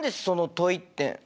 その問いって。